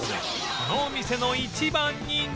このお店の一番人気が